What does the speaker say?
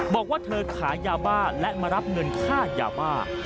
บอกว่าเธอขายยาบ้าและมารับเงินค่ายาบ้า